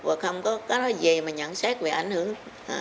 và không có cái nói gì mà nhận xét về ảnh hưởng